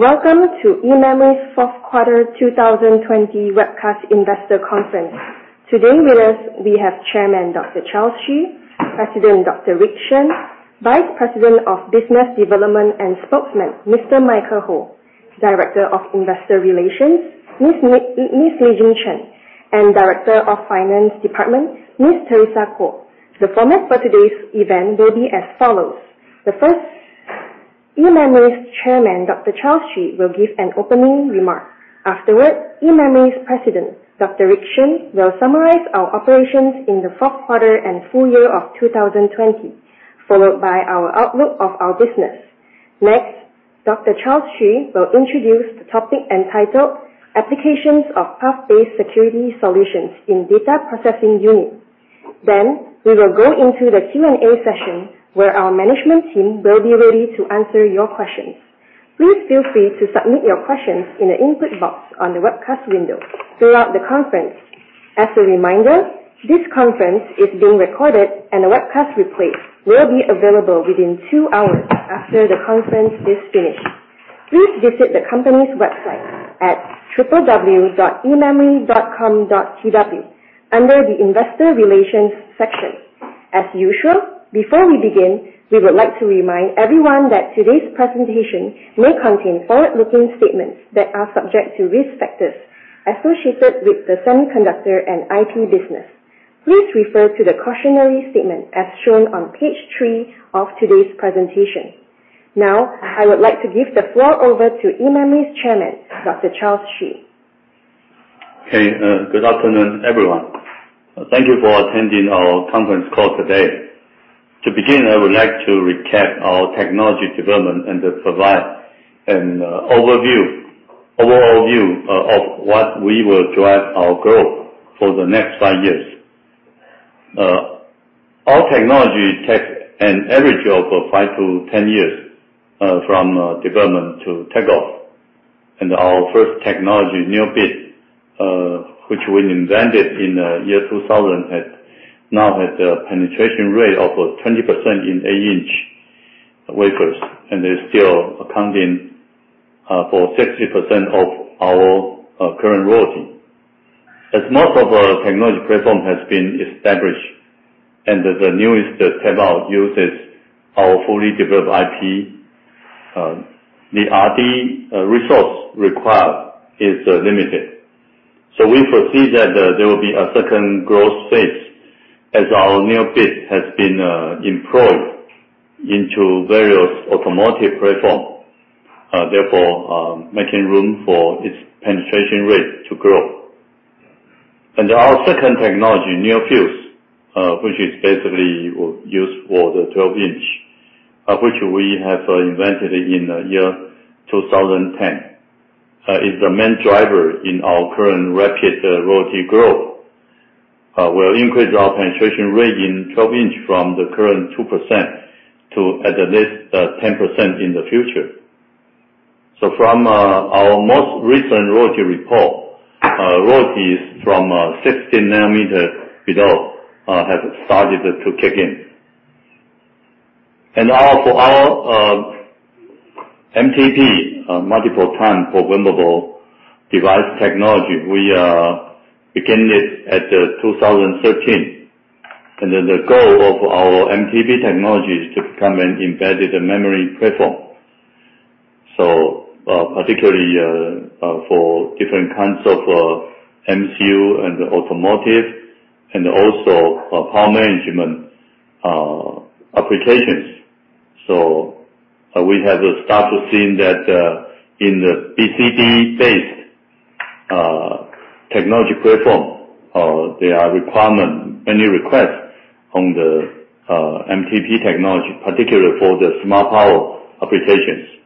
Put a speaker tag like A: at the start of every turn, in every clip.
A: Welcome to eMemory's fourth quarter 2020 webcast investor conference. Today, with us we have Chairman, Dr. Charles Hsu; President, Dr. Rick Shen; Vice President of Business Development and Spokesman, Mr. Michael Ho; Director of Investor Relations, Ms. Li-Jeng Chen; and Director of Finance Department, Ms. Teresa Ku. The format for today's event will be as follows. The first, eMemory's Chairman, Dr. Charles Hsu, will give an opening remark. Afterward, eMemory's President, Dr. Rick Shen, will summarize our operations in the fourth quarter and full year of 2020, followed by our outlook of our business. Next, Dr. Charles Hsu will introduce the topic entitled, Applications of Trust-based Security Solutions in Data Processing Unit. We will go into the Q&A session, where our management team will be ready to answer your questions. Please feel free to submit your questions in the input box on the webcast window throughout the conference. As a reminder, this conference is being recorded, and a webcast replay will be available within two hours after the conference is finished. Please visit the company's website at www.ememory.com.tw under the investor relations section. As usual, before we begin, we would like to remind everyone that today's presentation may contain forward-looking statements that are subject to risk factors associated with the semiconductor and IT business. Please refer to the cautionary statement as shown on page three of today's presentation. Now, I would like to give the floor over to eMemory's Chairman, Dr. Charles Hsu.
B: Okay. Good afternoon, everyone. Thank you for attending our conference call today. To begin, I would like to recap our technology development and provide an overall view of what will drive our growth for the next five years. Our technology takes an average of 5-10 years from development to take off. Our first technology, NeoBit, which we invented in the year 2000, now has a penetration rate of 20% in 8-inch wafers, and is still accounting for 60% of our current royalty. As most of our technology platform has been established, and the newest tablet uses our fully developed IP, the RD resource required is limited. We foresee that there will be a second growth phase as our NeoBit has been employed into various automotive platforms, therefore, making room for its penetration rate to grow. Our second technology, NeoFuse, which is basically used for the 12-inch, which we have invented in the year 2010. It's the main driver in our current rapid royalty growth. We'll increase our penetration rate in 12-inch from the current 2% to at least 10% in the future. From our most recent royalty report, royalties from 16 nanometer below have started to kick in. For our MTP, multiple time programmable device technology, we began it at 2013, and then the goal of our MTP technology is to become an embedded memory platform. Particularly for different kinds of MCU and automotive, and also power management applications. We have started seeing that in the BCD-based technology platform, there are many requests on the MTP technology, particularly for the smart power applications.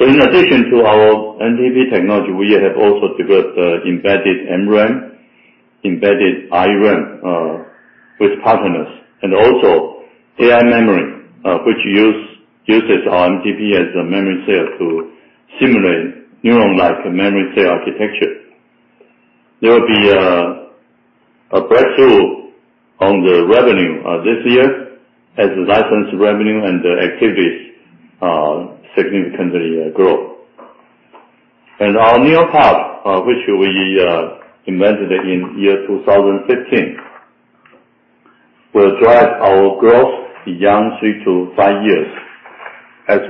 B: In addition to our MTP technology, we have also developed embedded MRAM, embedded ReRAM with partners, and also AI memory, which uses our MTP as a memory cell to simulate neuron-like memory cell architecture. There will be a breakthrough on the revenue this year as license revenue and the activities significantly grow. Our NeoPUF, which we invented in year 2015, will drive our growth beyond three-five years.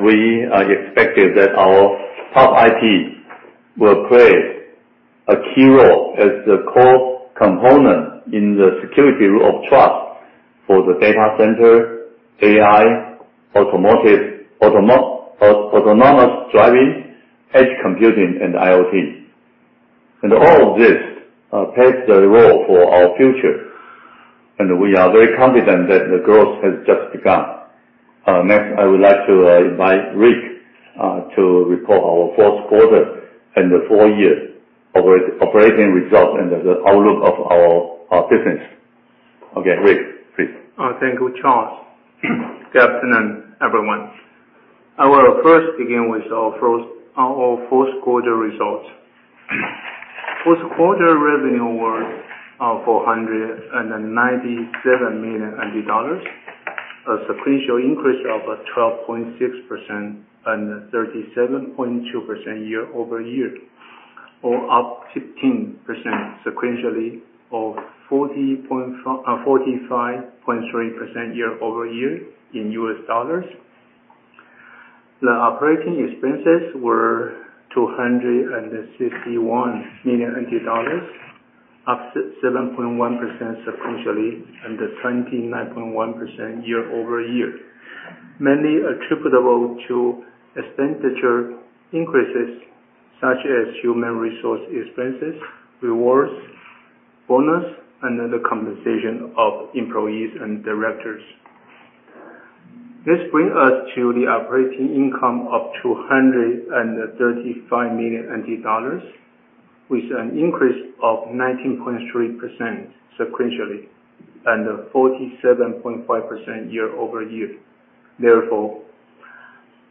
B: We are expected that our PUF IP will play a key role as the core component in the security root of trust for the data center, AI, automotive, autonomous driving, edge computing, and IoT. All of this plays a role for our future, and we are very confident that the growth has just begun. Next, I would like to invite Rick to report our fourth quarter and the full year operating results and the outlook of our business. Okay, Rick. Please.
C: Thank you, Charles. Good afternoon, everyone. I will first begin with our fourth quarter results. Fourth quarter revenue was 497 million dollars, a sequential increase of 12.6% and 37.2% year-over-year, or up 15% sequentially or 45.3% year-over-year in U.S. dollars. The operating expenses were 261 million dollars, up 7.1% sequentially and 29.1% year-over-year, mainly attributable to expenditure increases such as human resource expenses, rewards, bonus, and the compensation of employees and directors. This bring us to the operating income of 235 million dollars, with an increase of 19.3% sequentially and a 47.5% year-over-year.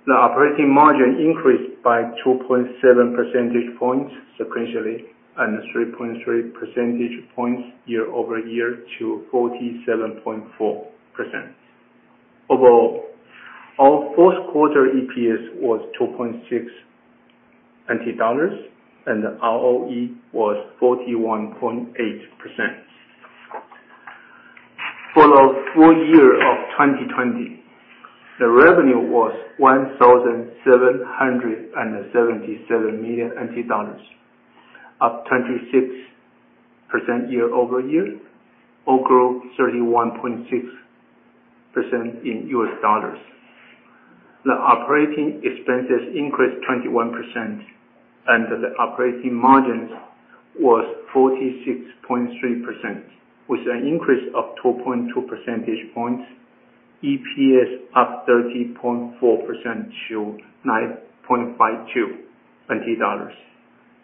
C: The operating margin increased by 2.7 percentage points sequentially and 3.3 percentage points year-over-year to 47.4%. Overall, our fourth quarter EPS was 2.62 dollars, and the ROE was 41.8%. For the full year of 2020, the revenue was 1,777 million NT dollars, up 26% year-over-year, or grew 31.6% in U.S. dollars. The operating expenses increased 21%, and the operating margin was 46.3%, with an increase of 2.2 percentage points, EPS up 30.4% to 9.52 NT dollars,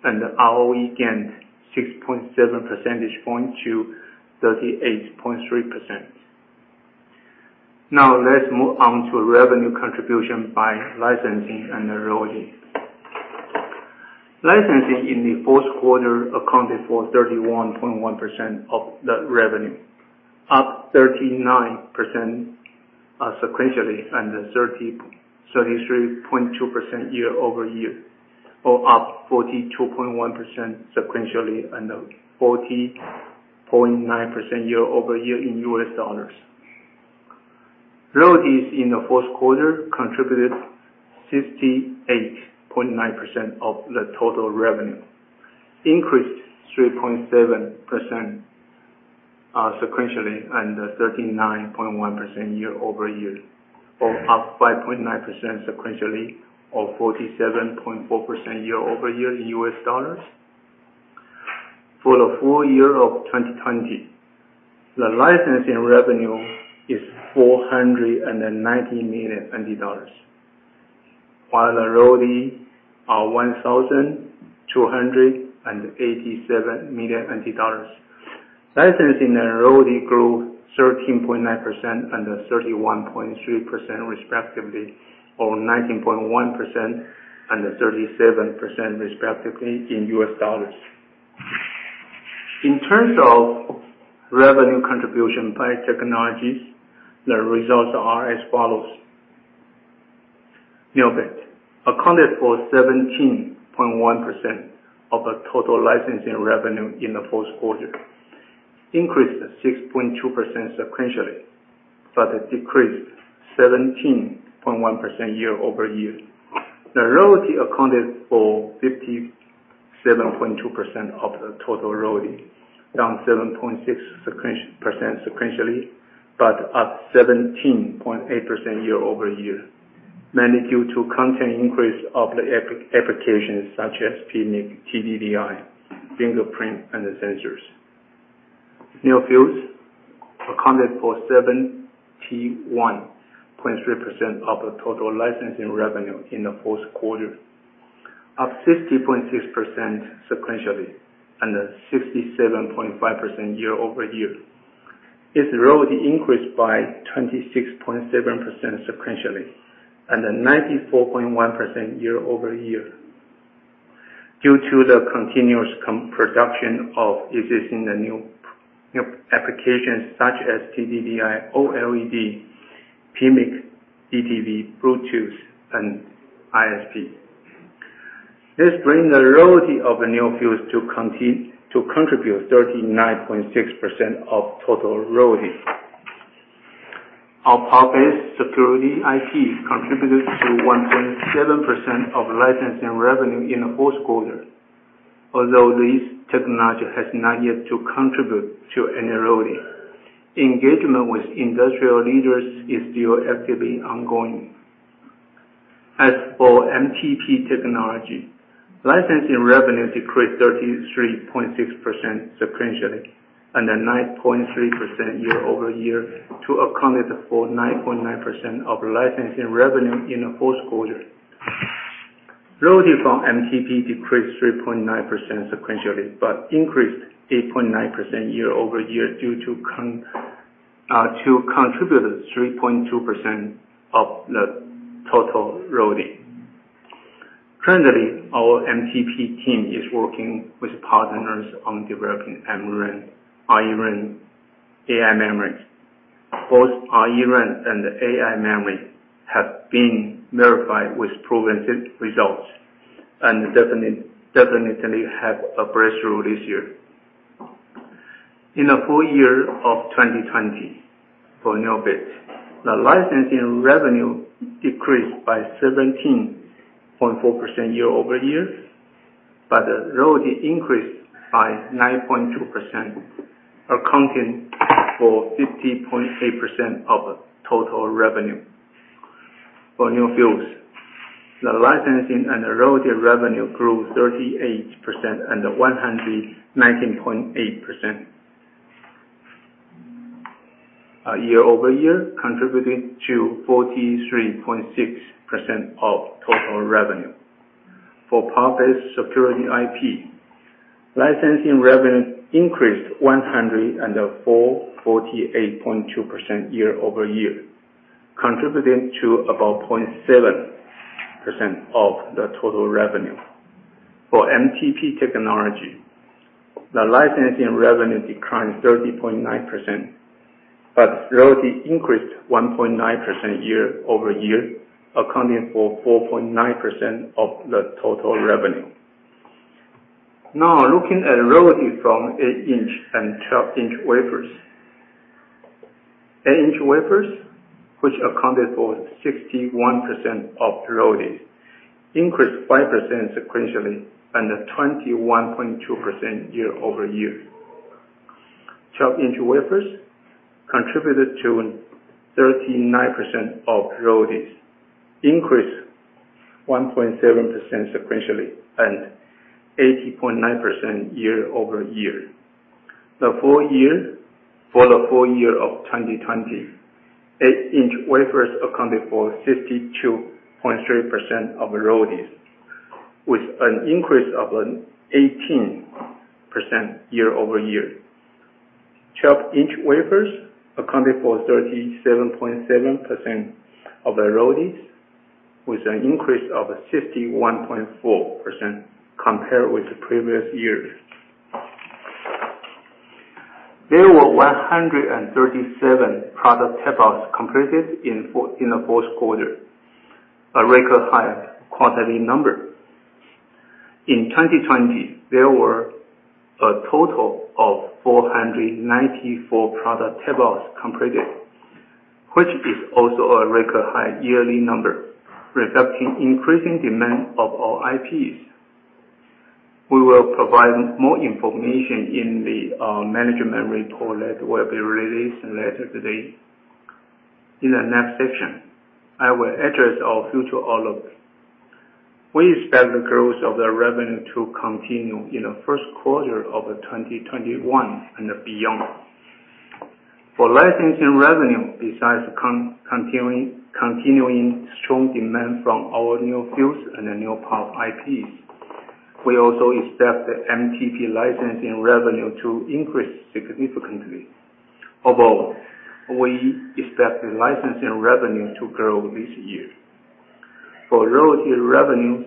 C: and the ROE gained 6.7 percentage points to 38.3%. Let's move on to revenue contribution by licensing and royalty. Licensing in the fourth quarter accounted for 31.1% of the revenue, up 39% sequentially and 33.2% year-over-year, or up 42.1% sequentially and 40.9% year-over-year in U.S. dollars. Royalties in the fourth quarter contributed 68.9% of the total revenue, increased 3.7% sequentially and 39.1% year-over-year, or up 5.9% sequentially or 47.4% year-over-year in U.S. dollars. For the full year of 2020, the licensing revenue is 490 million dollars, while the royalty is 1,287 million dollars. Licensing and royalty grew 13.9% and 31.3% respectively, or 19.1% and 37% respectively in U.S. dollars. In terms of revenue contribution by technologies, the results are as follows. NeoBit accounted for 17.1% of the total licensing revenue in the fourth quarter, increased 6.2% sequentially, but it decreased 17.1% year-over-year. The royalty accounted for 57.2% of the total royalty, down 7.6% sequentially, but up 17.8% year-over-year. Mainly due to content increase of the applications such as PMIC, TDDI, fingerprint and the sensors. NeoFuse accounted for 71.3% of the total licensing revenue in the fourth quarter, up 50.6% sequentially and 67.5% year-over-year. Its royalty increased by 26.7% sequentially and then 94.1% year-over-year. Due to the continuous production of existing applications such as TDDI, OLED, PMIC, DTV, Bluetooth, and ISP. This brings the royalty of the NeoFuse to contribute 39.6% of total royalty. Our PUF-based security IP contributed to 1.7% of licensing revenue in the fourth quarter. Although this technology has not yet to contribute to any royalty, engagement with industrial leaders is still actively ongoing. As for MTP technology, licensing revenue decreased 33.6% sequentially and then 9.3% year-over-year to account for 9.9% of licensing revenue in the fourth quarter. Royalty from MTP decreased 3.9% sequentially, but increased 8.9% year-over-year due to To contribute 3.2% of the total royalty. Currently, our MTP team is working with partners on developing eMRAM, RRAM, AI memories. Both RRAM and AI memory have been verified with proven results and definitely had a breakthrough this year. In the full year of 2020, for NeoBit, the licensing revenue decreased by 17.4% year-over-year, but the royalty increased by 9.2%, accounting for 50.8% of total revenue. For NeoFuse, the licensing and the royalty revenue grew 38% and 119.8% year-over-year, contributing to 43.6% of total revenue. For PUF-based security IP, licensing revenue increased 148.2% year-over-year, contributing to about 0.7% of the total revenue. MTP technology, the licensing revenue declined 30.9%, royalty increased 1.9% year-over-year, accounting for 4.9% of the total revenue. Looking at royalty from 8-inch and 12-inch wafers. 8-inch wafers, which accounted for 61% of royalties, increased 5% sequentially and 21.2% year-over-year. 12-inch wafers contributed to 39% of royalties, increased 1.7% sequentially and 80.9% year-over-year. For the full year of 2020, 8-inch wafers accounted for 62.3% of royalties, with an increase of 18% year-over-year. 12-inch wafers accounted for 37.7% of the royalties, with an increase of 61.4% compared with the previous years. There were 137 product tapeouts completed in Q4, a record high quarterly number. In 2020, there were a total of 494 product tapeouts completed, which is also a record high yearly number, reflecting increasing demand of our IPs. We will provide more information in the management report that will be released later today. In the next section, I will address our future outlook. We expect the growth of the revenue to continue in the first quarter of 2021 and beyond. For licensing revenue, besides continuing strong demand from our NeoFuse and NeoPUF IPs, we also expect the MTP licensing revenue to increase significantly. We expect the licensing revenue to grow this year. For royalty revenues,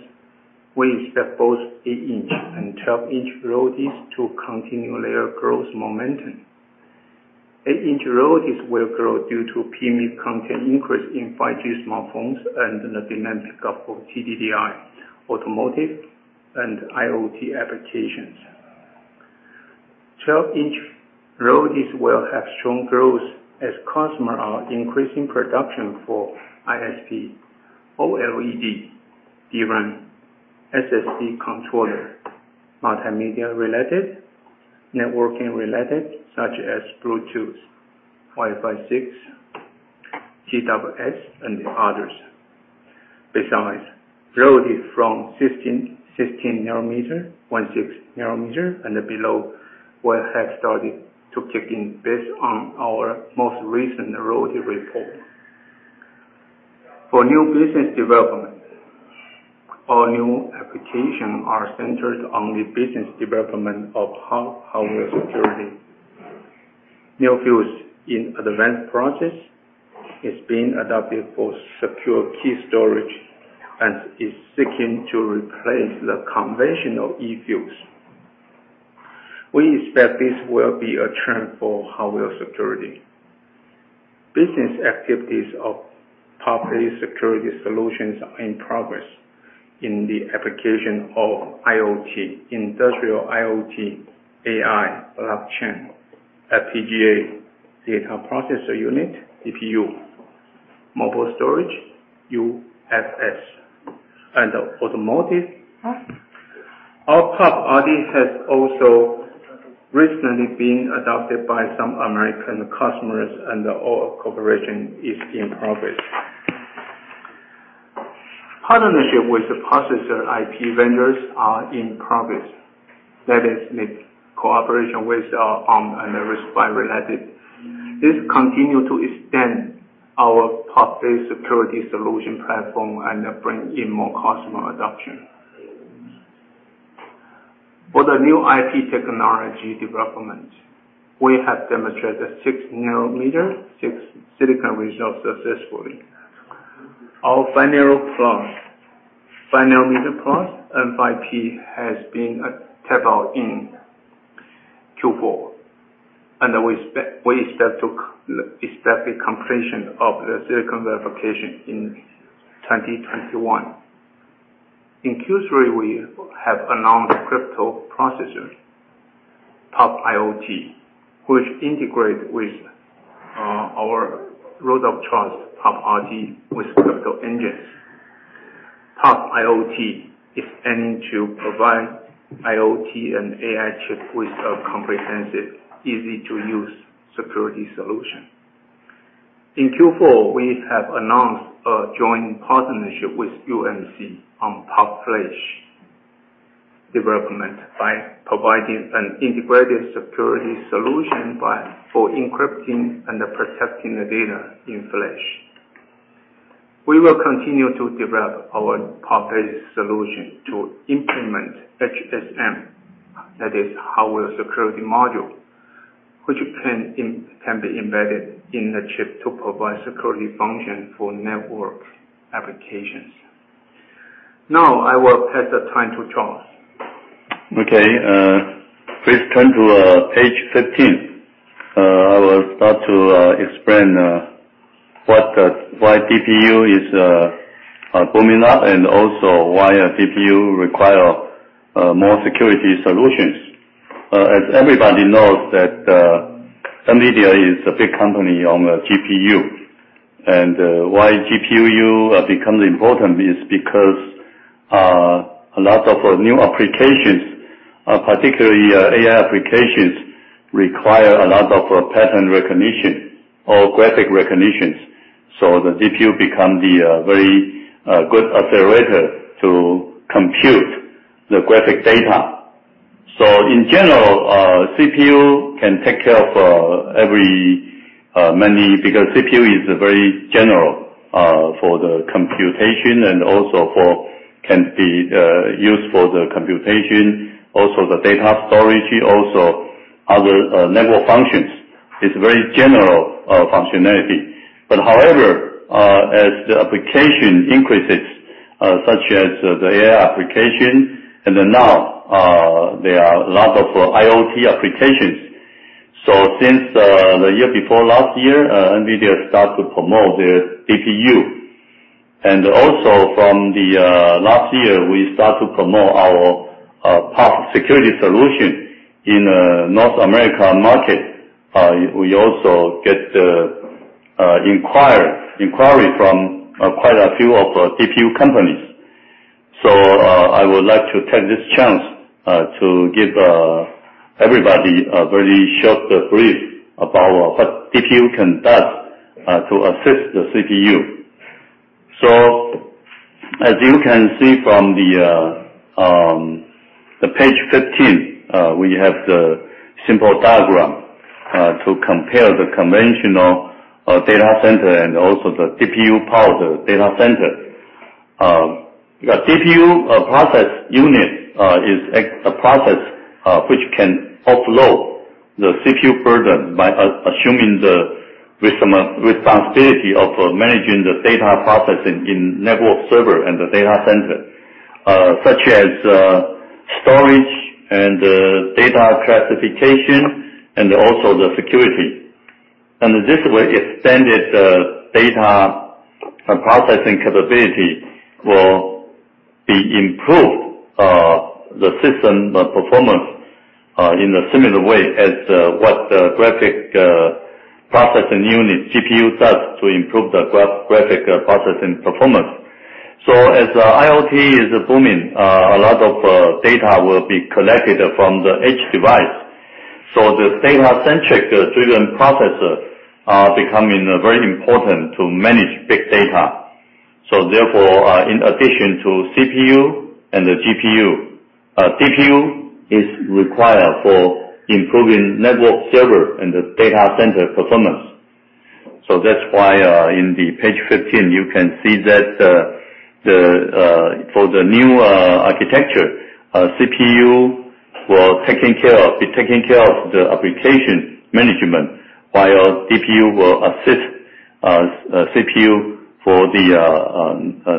C: we expect both eight-inch and 12-inch royalties to continue their growth momentum. 8-inch royalties will grow due to PMIC content increase in 5G smartphones and the demand pickup for TDDI, automotive, and IoT applications. 12-inch royalties will have strong growth as customers are increasing production for ISP, OLED, DRAM, SSD controller, multimedia related, networking related such as Bluetooth, Wi-Fi 6, TWS, and others. Besides, royalty from 16 nanometer and below will have started to kick in based on our most recent royalty report. For new business development, our new application are centered on the business development of hardware security. NeoFuse in advanced process is being adopted for secure key storage and is seeking to replace the conventional eFuse. We expect this will be a trend for hardware security. Business activities of PUF-based security solutions are in progress in the application of IoT, industrial IoT, AI, blockchain, FPGA, data processor unit, DPU, mobile storage, UFS, and automotive. Our PUF RD has also recently been adopted by some American customers and our cooperation is in progress. Partnership with the processor IP vendors are in progress. That is the cooperation with our Arm and RISC-V related. This continue to extend our PUF-based security solution platform and bring in more customer adoption. For the new IP technology development, we have demonstrated 6 nanometer, 6 silicon results successfully. Our 5-nanometer plus IP has been tapped out in Q4, and we expect the completion of the silicon verification in 2021. In Q3, we have announced crypto processor, PUFiot, which integrates with our root of trust, PUFrt, with crypto engines. PUFiot is aiming to provide IoT and AI chip with a comprehensive, easy-to-use security solution. In Q4, we have announced a joint partnership with UMC on PUFflash development by providing an integrated security solution for encrypting and protecting the data in flash. We will continue to develop our PUF-based solution to implement HSM, that is, hardware security module, which can be embedded in the chip to provide security function for network applications. Now I will pass the time to Charles.
B: Okay. Please turn to page 15. I will start to explain why DPU is booming up and also why DPU require more security solutions. As everybody knows that NVIDIA is a big company on GPU. Why GPU becomes important is because a lot of new applications, particularly AI applications, require a lot of pattern recognition or graphic recognitions. The DPU become the very good accelerator to compute the graphic data. In general, CPU can take care of because CPU is very general for the computation and also can be used for the computation, also the data storage, also other network functions. It's very general functionality. However, as the application increases, such as the AI application, and now there are lots of IoT applications. Since the year before last year, NVIDIA start to promote their DPU. Also from the last year, we start to promote our PUFsecurity solution in North America market. We also get inquiry from quite a few of DPU companies. I would like to take this chance to give everybody a very short brief about what DPU can do to assist the CPU. As you can see from the page 15, we have the simple diagram to compare the conventional data center and also the DPU-powered data center. DPU, process unit, is a process which can offload the CPU burden by assuming the responsibility of managing the data processing in network server and the data center, such as storage and data classification, and also the security. This extended data processing capability will improve the system performance in a similar way as what the graphic processing unit, CPU, does to improve the graphic processing performance. As IoT is booming, a lot of data will be collected from the edge device. The data-centric driven processor are becoming very important to manage big data. Therefore, in addition to CPU and the GPU, DPU is required for improving network server and the data center performance. That is why in page 15, you can see that for the new architecture, CPU will be taking care of the application management, while DPU will assist CPU for the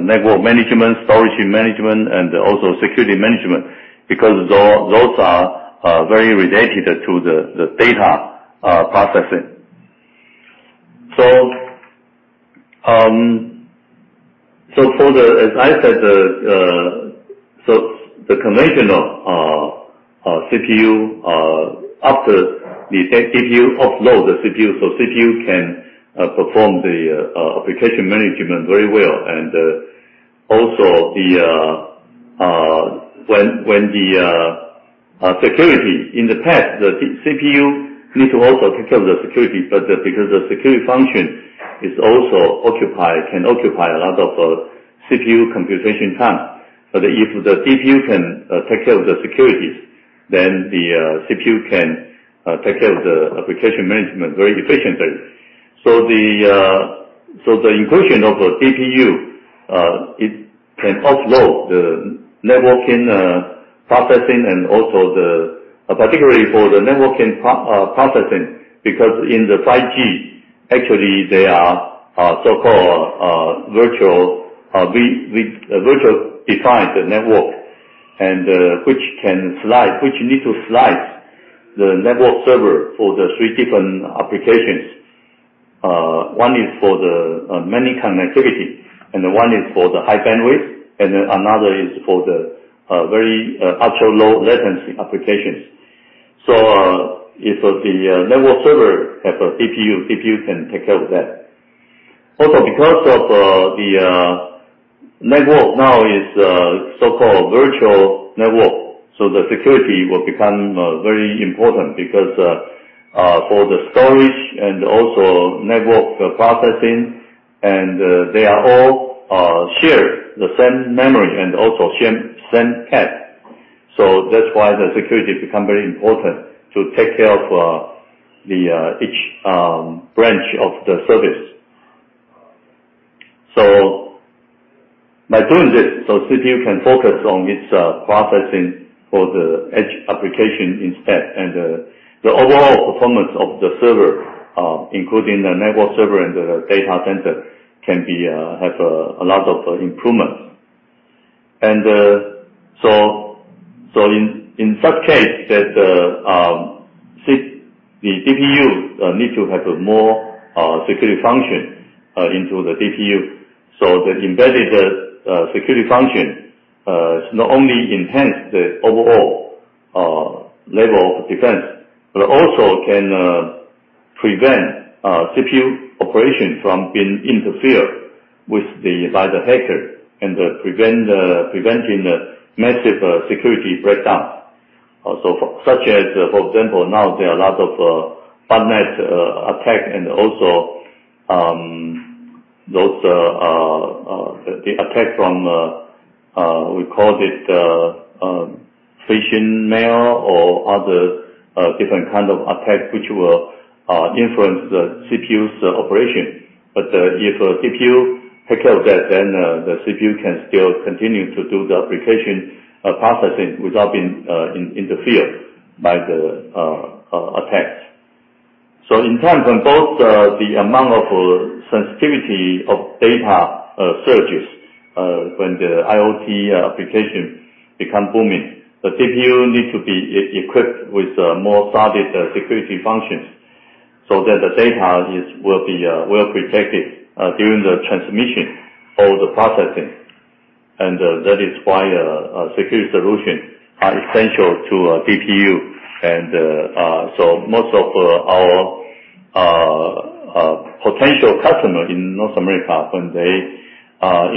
B: network management, storage management, and also security management, because those are very related to the data processing. As I said, the conventional CPU, after the DPU offload the CPU can perform the application management very well. In the past, the CPU need to also take care of the security, because the security function can occupy a lot of CPU computation time. If the DPU can take care of the security, then the CPU can take care of the application management very efficiently. So the inclusion of a DPU, it can offload the networking processing and also particularly for the networking processing, because in the 5G, actually, they are so-called Software Defined Network, which need to slice the network server for the three different applications. One is for the mass connectivity, one is for the high bandwidth, another is for the very ultra low latency applications. If the network server has a DPU can take care of that. Because of the network now is so-called virtual network, the security will become very important because for the storage and also network processing, they are all shared the same memory and also same path. That's why the security become very important to take care of each branch of the service. By doing this, CPU can focus on its processing for the edge application instead. The overall performance of the server, including the network server and the data center, can have a lot of improvements. In such case, the DPU need to have more security function into the DPU. The embedded security function not only enhance the overall level of defense, but also can prevent CPU operation from being interfered with by the hacker, and preventing massive security breakdown. Such as, for example, now there are a lot of botnet attack and also the attack from, we call it phishing mail or other different kind of attack, which will influence the CPU's operation. If DPU take care of that, then the CPU can still continue to do the application processing without being interfered by the attacks. In terms on both the amount of sensitivity of data surges when the IoT application become booming, the DPU need to be equipped with more solid security functions so that the data will be well-protected during the transmission or the processing. That is why security solutions are essential to DPU. Most of our potential customer in North America when they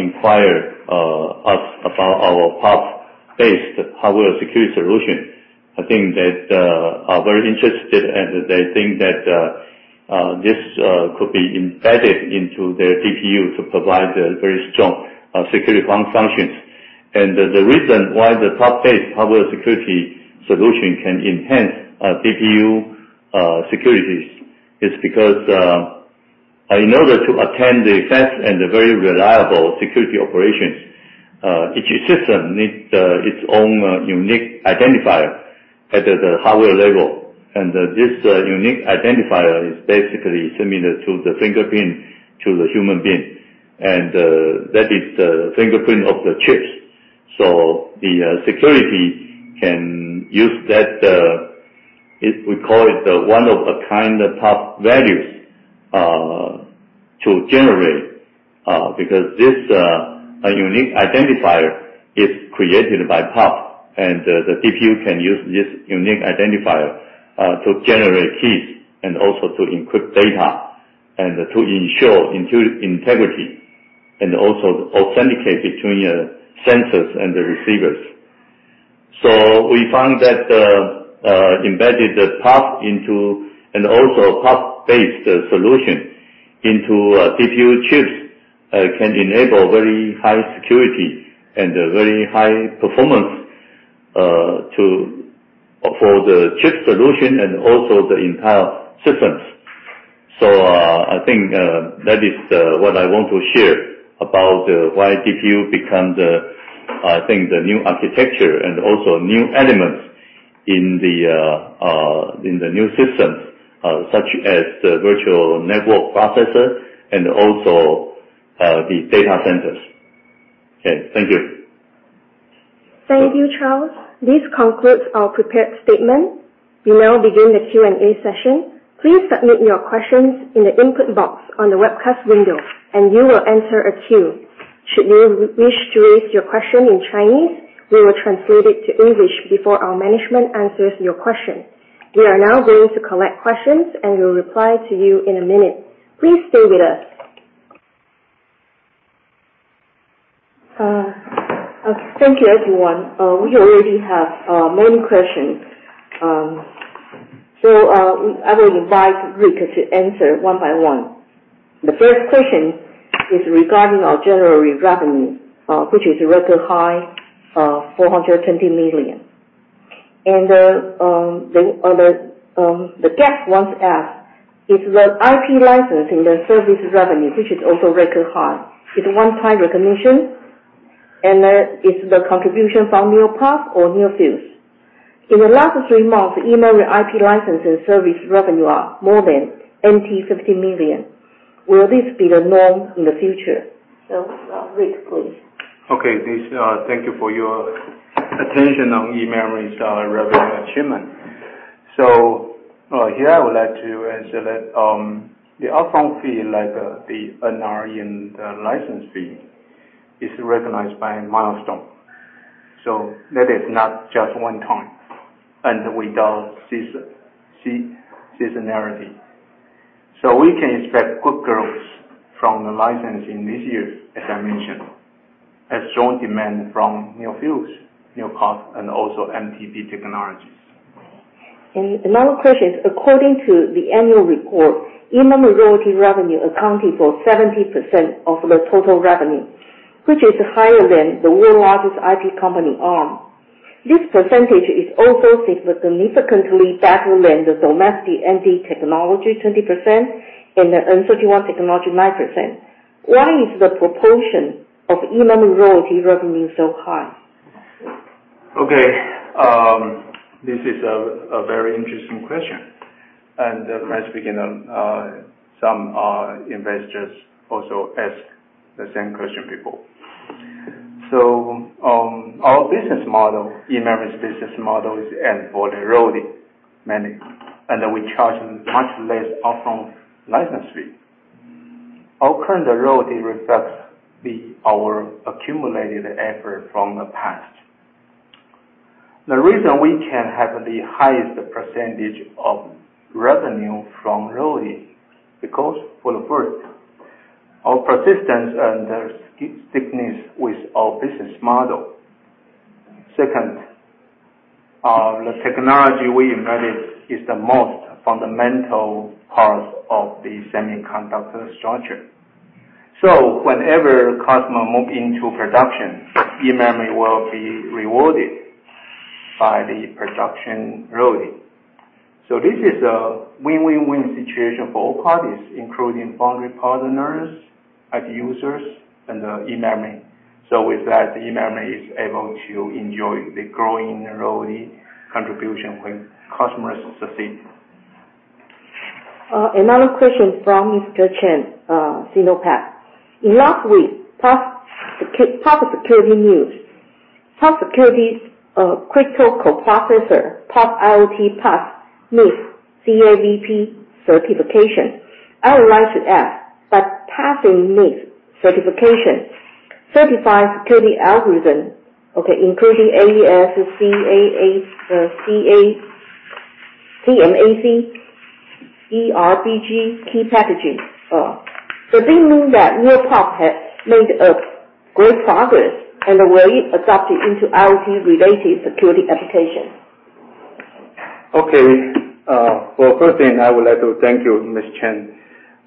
B: inquire us about our PUF-based hardware security solution, I think that are very interested, and they think that this could be embedded into their DPU to provide very strong security functions. The reason why the PUF-based hardware security solution can enhance DPU securities is because, in order to attain the fast and very reliable security operations, each system needs its own unique identifier at the hardware level. This unique identifier is basically similar to the fingerprint to the human being. That is the fingerprint of the chips. The security can use that, we call it one of a kind PUF values, to generate, because this unique identifier is created by PUF, and the DPU can use this unique identifier to generate keys and also to encrypt data and to ensure integrity and also authenticate between sensors and the receivers. We found that embedded PUF into, and also PUF-based solution into DPU chips, can enable very high security and very high performance for the chip solution and also the entire systems. I think that is what I want to share about why DPU become the new architecture and also new elements in the new systems, such as the virtual network processor and also the data centers. Okay, thank you.
A: Thank you, Charles. This concludes our prepared statement. We now begin the Q&A session. Please submit your questions in the input box on the webcast window, and you will enter a queue. Should you wish to ask your question in Chinese, we will translate it to English before our management answers your question. We are now going to collect questions, and we will reply to you in a minute. Please stay with us.
D: Thank you, everyone. We already have many questions, so I will invite Rick to answer one by one. The first question is regarding our January revenue, which is record high of 420 million. The guest once asked if the IP license and the services revenue, which is also record high, is one-time recognition, and is the contribution from NeoPUF or NeoFuse? In the last three months, eMemory IP license and service revenue are more than 50 million. Will this be the norm in the future? Rick, please.
C: Okay. Thank you for your attention on eMemory's revenue achievement. Here I would like to answer that. The upfront fee, like the NRE and the license fee, is recognized by milestone. That is not just one time, and without seasonality. We can expect good growth from the licensing this year, as I mentioned, a strong demand from NeoFuse, NeoPUF, and also M31 Technology.
D: Another question. According to the annual report, eMemory royalty revenue accounted for 70% of the total revenue, which is higher than the world largest IP company, Arm. This percentage is also significantly better than the domestic M31 Technology, 20%, and the [M31] Technology, 9%. Why is the proportion of eMemory royalty revenue so high?
C: Okay. This is a very interesting question, and frankly speaking, some investors also asked the same question before. Our business model, eMemory's business model, is end-to-end royalty money, and we charge much less upfront license fee. Our current royalty reflects our accumulated effort from the past. The reason we can have the highest percentage of revenue from royalty, because for the first, our persistence and the stickiness with our business model. Second, the technology we invented is the most fundamental part of the semiconductor structure. Whenever customer move into production, eMemory will be rewarded by the production royalty. This is a win-win-win situation for all parties, including foundry partners, end users, and eMemory. With that, eMemory is able to enjoy the growing royalty contribution when customers succeed.
D: Another question from Mr. Chen, SinoPac. Last week, PUFsecurity news. PUFsecurity's crypto co-processor, PUFiot, meets CAVP certification. I would like to ask, by passing this certification, certifies security algorithm, including AES, KA, CMAC, DRBG, key packaging. Does this mean that NeoPUF has made a great progress and will be adopted into IoT-related security application?
C: Okay. Well, first thing, I would like to thank you, Mr. Chen,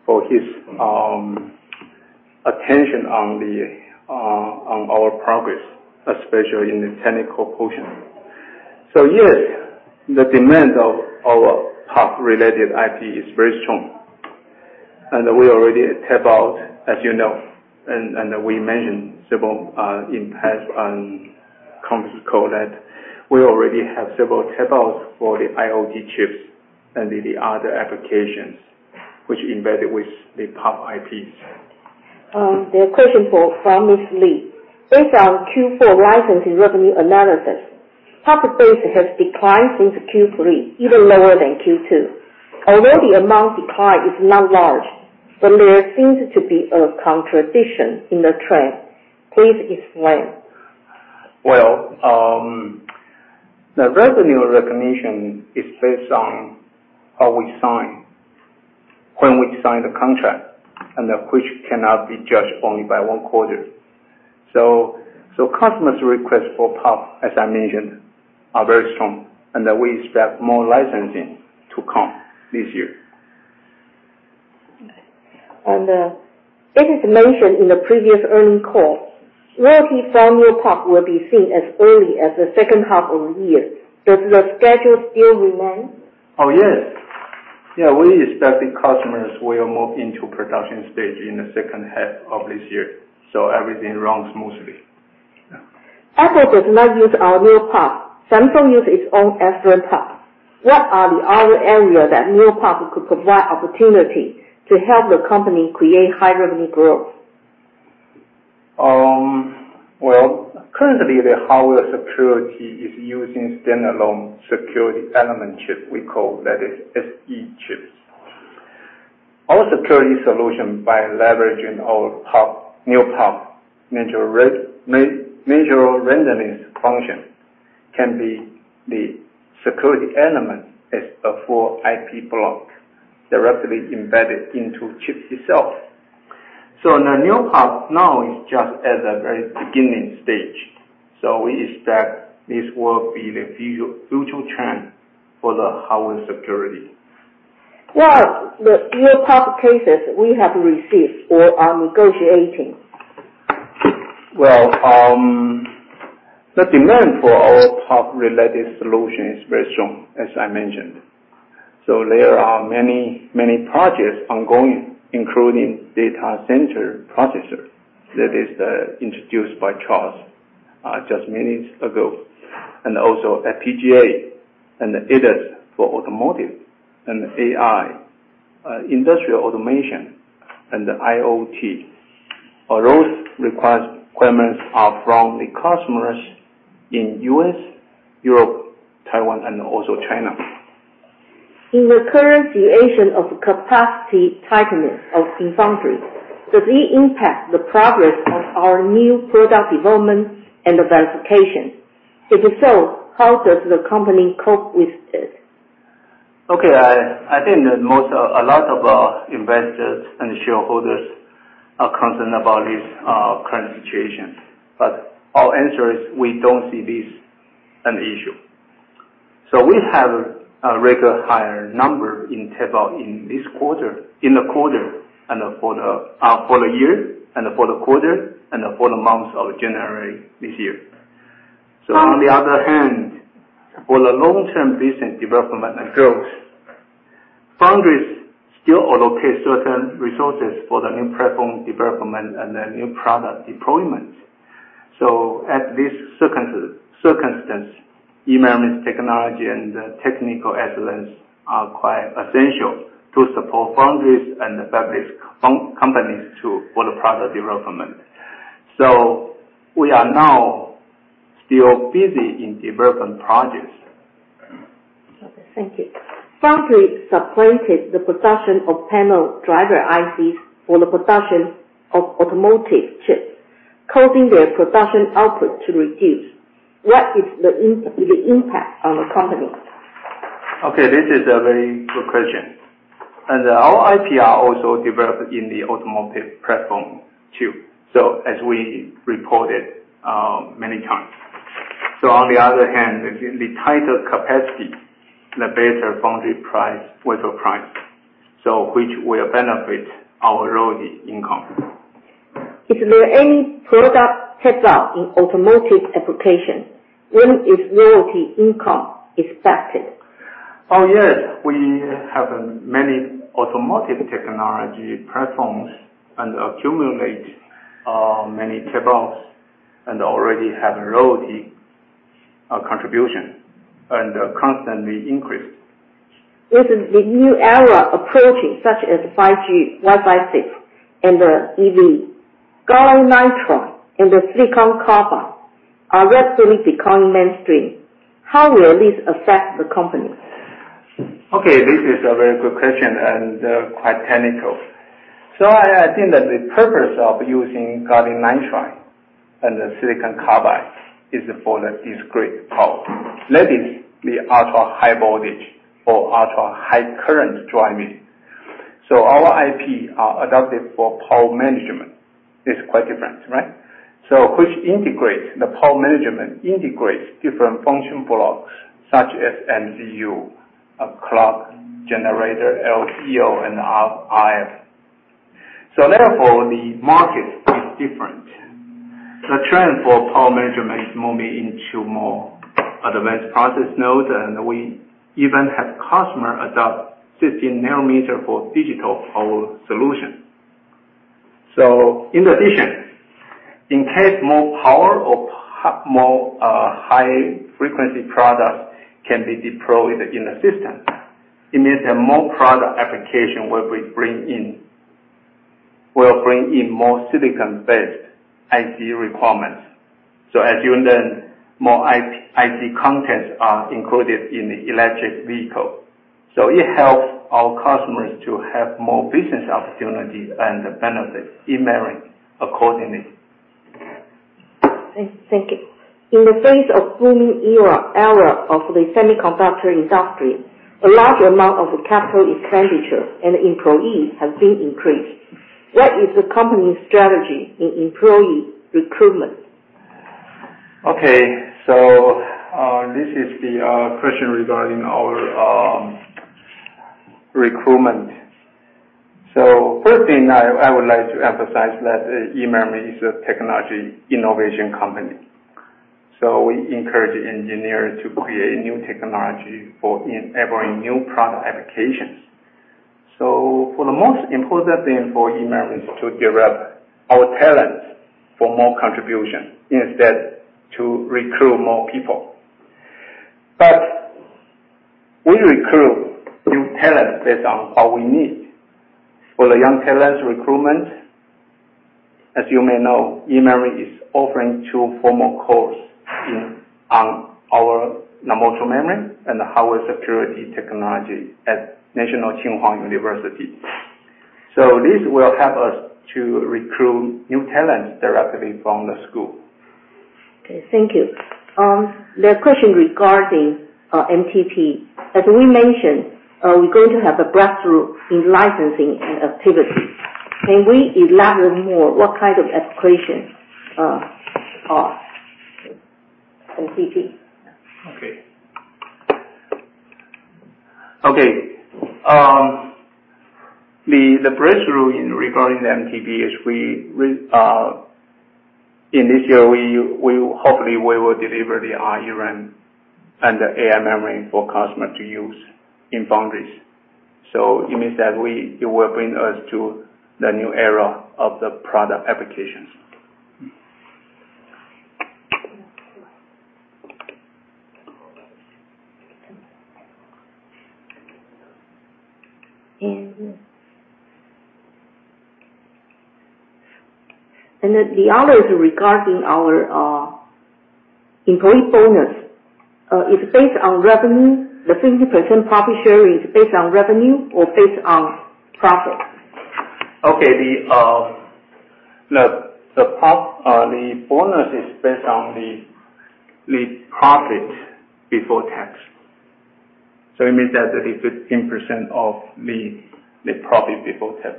C: for his attention on our progress, especially in the technical portion. Yes, the demand of our PUF-related IP is very strong. We already tape out, as you know, and we mentioned several impacts on conference call that we already have several tape outs for the IoT chips and the other applications which embedded with the PUF IPs.
D: The question from Ms. Lee. Based on Q4 licensing revenue analysis, PUF-based has declined since Q3, even lower than Q2. Although the amount decline is not large, but there seems to be a contradiction in the trend. Please explain.
C: Well, the revenue recognition is based on how we sign, when we sign the contract, and of which cannot be judged only by one quarter. Customers' request for PUF, as I mentioned, are very strong, and that we expect more licensing to come this year.
D: It is mentioned in the previous earnings call, royalty from NeoPUF will be seen as early as the second half of the year. Does the schedule still remain?
C: Oh, yes. We expect the customers will move into production stage in the second half of this year, so everything runs smoothly.
D: Yeah. Apple does not use our NeoPUF. Samsung use its own SRAM PUF. What are the other areas that NeoPUF could provide opportunity to help the company create high revenue growth?
C: Currently, the hardware security is using standalone Secure Element chip, we call that SE chips. Our security solution by leveraging our NeoPUF major randomness function can be the Secure Element as a full IP block directly embedded into chips itself. The NeoPUF now is just at the very beginning stage. We expect this will be the future trend for the hardware security.
D: What NeoPUF cases we have received or are negotiating?
C: Well, the demand for our OTP related solution is very strong, as I mentioned. There are many projects ongoing, including data center processor. That is introduced by Charles just minutes ago, and also FPGA and ADAS for automotive and AI, industrial automation and IoT. All those requirements are from the customers in U.S., Europe, Taiwan, and also China.
D: In the current situation of capacity tightness of foundry, does it impact the progress of our new product development and verification? If so, how does the company cope with it?
C: Okay. I think a lot of our investors and shareholders are concerned about this current situation, but our answer is we don't see this an issue. We have a record higher number in tape out for the year and for the quarter, and for the month of January this year. On the other hand, for the long-term business development and growth, foundries still allocate certain resources for the new platform development and the new product deployment. At this circumstance, eMemory's technology and technical excellence are quite essential to support foundries and the fabless companies too, for the product development. We are now still busy in development projects.
D: Okay, thank you. Foundry supplanted the production of panel driver ICs for the production of automotive chips, causing their production output to reduce. What is the impact on the company?
C: Okay, this is a very good question. Our IP are also developed in the automotive platform too, as we reported many times. On the other hand, the tighter capacity, the better foundry price, wafer price, which will benefit our royalty income.
D: Is there any product tape out in automotive application? When is royalty income expected?
C: Yes. We have many automotive technology platforms and accumulate many tape outs, and already have royalty contribution and constantly increase.
D: With the new era approaching, such as 5G, Wi-Fi 6 and EV, gallium nitride and silicon carbide are rapidly becoming mainstream. How will this affect the company?
C: Okay, this is a very good question and quite technical. I think that the purpose of using gallium nitride and the silicon carbide is for the discrete power. That is the ultra-high voltage or ultra-high current driving. Our IP are adapted for power management. It's quite different, right? Which integrates the power management, integrates different function blocks such as MCU, a clock generator, LDO and RF. Therefore, the market is different. The trend for power management is moving into more advanced process nodes, and we even have customer adopt 15 nanometer for digital power solution. In addition, in case more power or more high-frequency products can be deployed in the system, it means that more product application will bring in more silicon-based IP requirements. As you learn, more IP contents are included in the electric vehicle. It helps our customers to have more business opportunities and benefit eMemory accordingly.
D: Thank you. In the face of booming era of the semiconductor industry, a large amount of capital expenditure and employees have been increased. What is the company's strategy in employee recruitment?
C: Okay. This is the question regarding our recruitment. First thing, I would like to emphasize that eMemory is a technology innovation company. We encourage engineers to create new technology for enabling new product applications. For the most important thing for eMemory is to develop our talents for more contribution, instead to recruit more people. We recruit new talent based on what we need. For the young talent recruitment, as you may know, eMemory is offering two formal course on our non-volatile memory and our security technology at National Tsing Hua University. This will help us to recruit new talent directly from the school.
D: Okay, thank you. The question regarding MTP. As we mentioned, we are going to have a breakthrough in licensing and activity. Can we elaborate more what kind of applications are MTP?
C: Okay.
B: Okay. The breakthrough regarding the MTP is, in this year, hopefully, we will deliver the RRAM and the AI memory for customer to use in foundries. It means that it will bring us to the new era of the product applications.
D: The other is regarding our employee bonus. Is it based on revenue? The 15% profit share, is it based on revenue or based on profit?
B: Okay. The bonus is based on the profit before tax. It means that it is 15% of the profit before tax.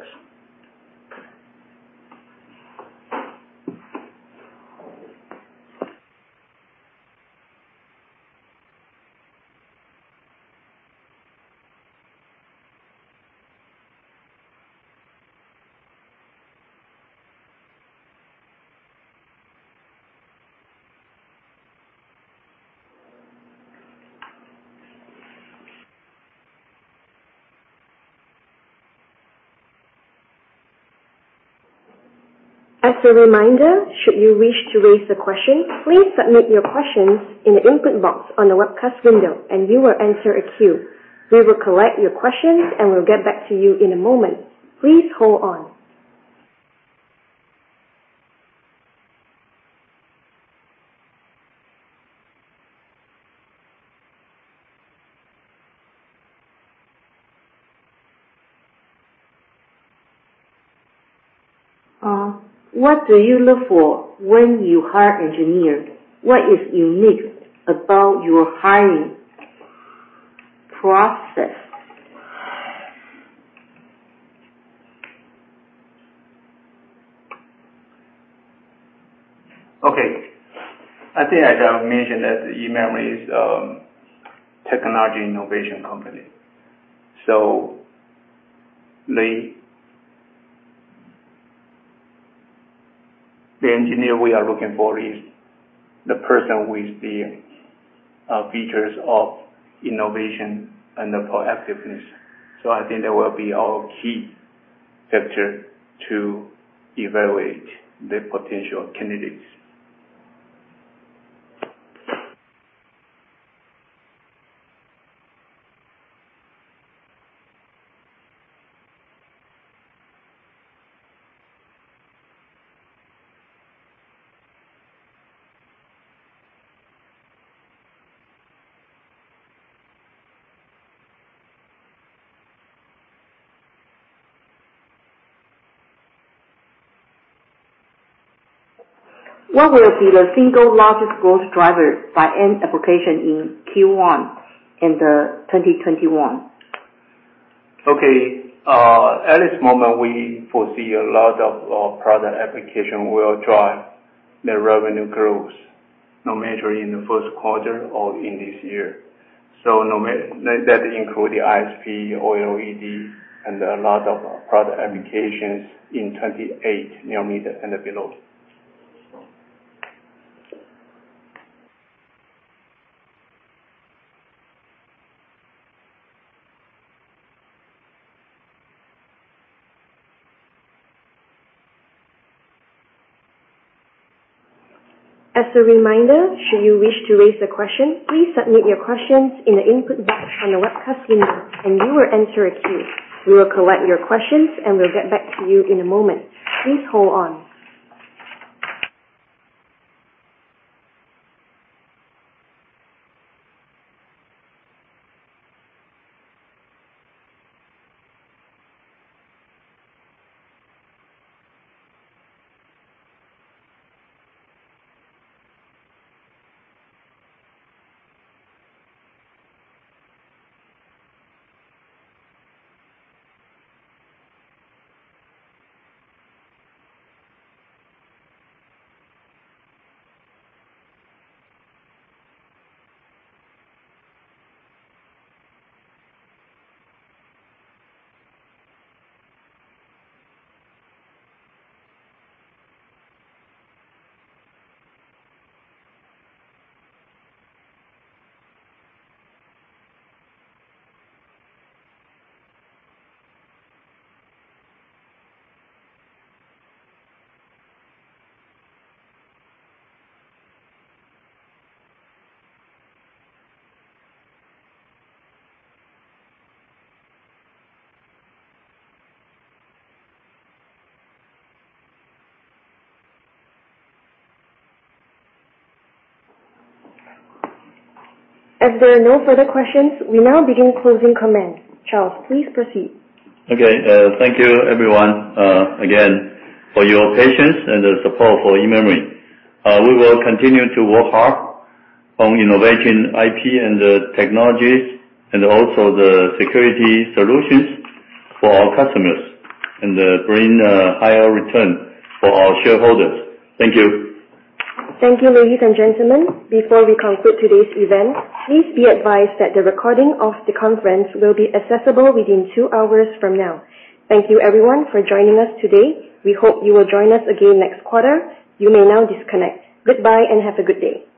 A: As a reminder, should you wish to raise a question, please submit your questions in the input box on the webcast window and you will enter a queue. We will collect your questions and will get back to you in a moment. Please hold on.
D: What do you look for when you hire engineers? What is unique about your hiring process?
B: I think as I mentioned, that eMemory is a technology innovation company. The engineer we are looking for is the person with the features of innovation and proactiveness. I think that will be our key factor to evaluate the potential candidates.
D: What will be the single largest growth driver by end application in Q1 in 2021?
B: Okay. At this moment, we foresee a lot of product application will drive the revenue growth, no matter in the first quarter or in this year. That includes the ISP, OLED, and a lot of product applications in 28 nanometer and below.
A: As a reminder, should you wish to raise a question, please submit your questions in the input box on the webcast window and you will enter a queue. We will collect your questions and will get back to you in a moment. Please hold on. If there are no further questions, we now begin closing comments. Charles, please proceed.
B: Okay. Thank you everyone, again, for your patience and the support for eMemory. We will continue to work hard on innovation, IP, and the technologies, and also the security solutions for our customers, and bring a higher return for our shareholders. Thank you.
A: Thank you, ladies and gentlemen. Before we conclude today's event, please be advised that the recording of the conference will be accessible within two hours from now. Thank you everyone for joining us today. We hope you will join us again next quarter. You may now disconnect. Goodbye, and have a good day.